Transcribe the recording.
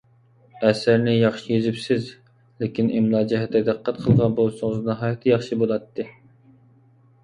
ئەسەرنى ياخشى يېزىپسىز، لېكىن ئىملا جەھەتتە دىققەت قىلغان بولسىڭىز ناھايىتى ياخشى بولاتتى.